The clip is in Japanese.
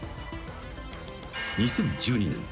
［２０１２年。